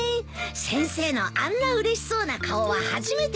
先生のあんなうれしそうな顔は初めて見たよ。